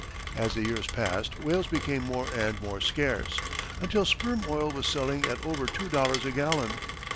As the years passed, whales became more and more scarce, until sperm oil was selling at over two dollars a gallon.